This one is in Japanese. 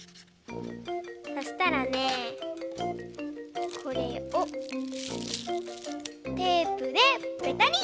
そしたらねこれをテープでぺたり！